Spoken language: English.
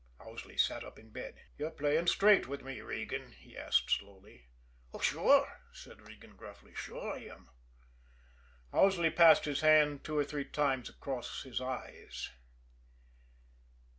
Owsley sat up in bed. "You playing straight with me, Regan?" he asked slowly. "Sure," said Regan gruffly. "Sure, I am." Owsley passed his hand two or three times across his eyes.